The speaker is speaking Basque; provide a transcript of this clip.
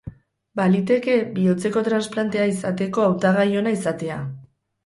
Baliteke bihotzeko transplantea izateko hautagai ona izatea.